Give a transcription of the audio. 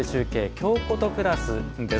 「京コト＋」です。